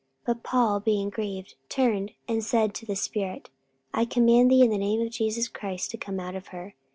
But Paul, being grieved, turned and said to the spirit, I command thee in the name of Jesus Christ to come out of her.